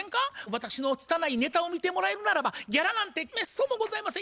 「私のつたないネタを見てもらえるならばギャラなんてめっそうもございません。